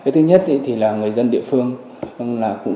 thứ nhất là người dân địa phương